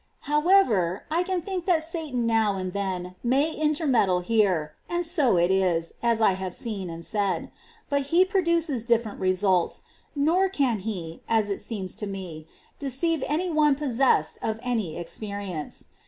^ 29. However, I can think that Satan now and then may intermeddle here, and so it is, as I have ^^^2,°^ seen and said ; but he produces different results, nor can he, as it seems to me, deceive any one possessed of any experience.